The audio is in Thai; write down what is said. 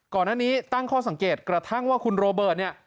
ก่อนหน้านี้ตั้งข้อสังเกตกระทั่งว่าคุณโรเบิร์ตเนี่ย